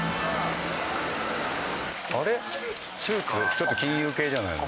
ちょっと金融系じゃないの？